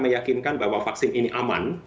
dan meyakinkan bahwa vaksin ini aman